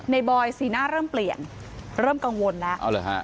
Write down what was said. บอยสีหน้าเริ่มเปลี่ยนเริ่มกังวลแล้วเอาเลยฮะ